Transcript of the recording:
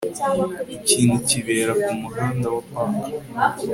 Ikintu kibera kumuhanda wa Park